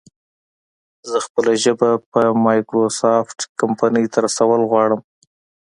زه خپله ژبه په مايکروسافټ کمپنۍ ته رسول غواړم